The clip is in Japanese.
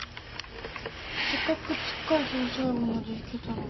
せっかくつっかえずに最後まで弾けたのに。